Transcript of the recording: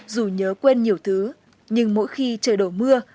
dù nhớ quen nhiều thứ nhưng mỗi khi trời đổ mưa